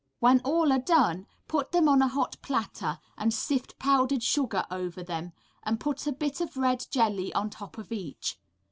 When all are done, put them on a hot platter and sift powdered sugar over them, and put a bit of red jelly on top of each.